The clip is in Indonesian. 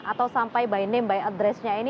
atau sampai by name by address nya ini